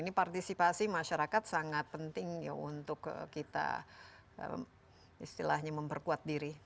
ini partisipasi masyarakat sangat penting ya untuk kita istilahnya memperkuat diri